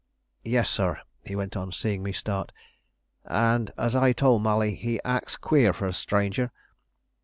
Yes, sir," he went on, seeing me start; "and, as I told Molly, he acts queer for a stranger.